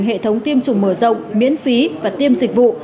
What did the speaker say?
hệ thống tiêm chủng mở rộng miễn phí và tiêm dịch vụ